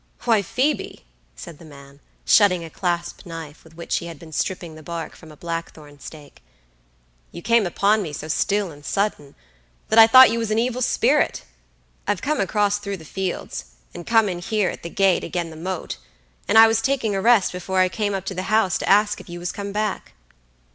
"Why, Phoebe," said the man, shutting a clasp knife with which he had been stripping the bark from a blackthorn stake, "you came upon me so still and sudden, that I thought you was an evil spirit. I've come across through the fields, and come in here at the gate agen the moat, and I was taking a rest before I came up to the house to ask if you was come back."